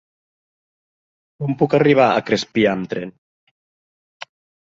Com puc arribar a Crespià amb tren?